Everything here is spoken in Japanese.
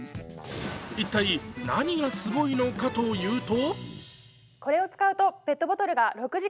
一体、何がすごいのかというと？